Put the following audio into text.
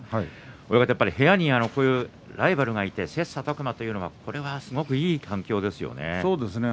親方、やはり部屋にライバルがいて切さたく磨というのはすごくいい環境ですよね。